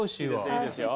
いいですよ。